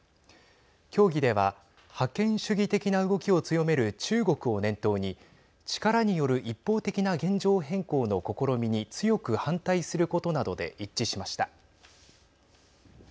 協議では覇権主義的な動きを強める中国を念頭に力による一方的な現状変更の試みに強く反対することなどで一致しました。